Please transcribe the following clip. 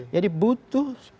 jadi butuh pemimpin